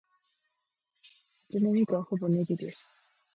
初音ミクはほぼネギです